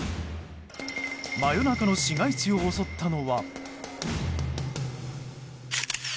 真夜中の市街地を襲ったのは。